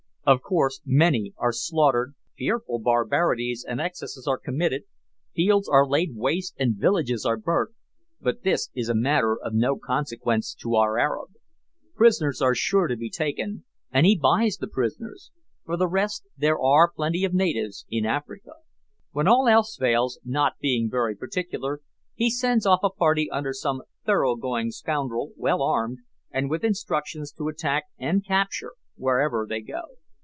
Of course many are slaughtered, fearful barbarities and excesses are committed, fields are laid waste and villages are burnt, but this is a matter of no consequence to our Arab. Prisoners are sure to be taken, and he buys the prisoners; for the rest, there are plenty of natives in Africa! When all else fails, not being very particular, he sends off a party under some thorough going scoundrel, well armed, and with instructions to attack and capture wherever they go.